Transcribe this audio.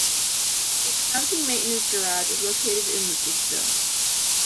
The county maintenance garage is located in Lucasville.